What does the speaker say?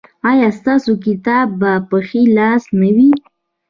ایا ستاسو کتاب به په ښي لاس نه وي؟